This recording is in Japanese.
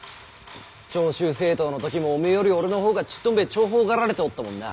長州征討の時もおめえより俺の方がちっとんべ重宝がられておったもんな。